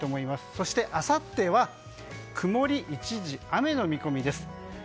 そして、あさっては曇り一時雨の見込みです。